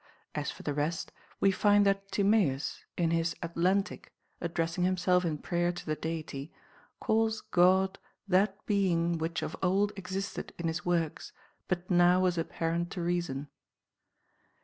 As for the rest, we find that Timaeus, in his Atlantic, addressing him self in prayer to the Deity, calls God that being which of old existed in his works, but now was apparent to reason.